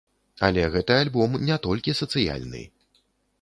Але гэты альбом не толькі сацыяльны.